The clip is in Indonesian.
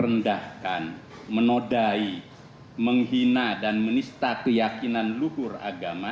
hendaknya dihormati dan tidak dapat merendahkan menodai menghina dan menista keyakinan luhur agama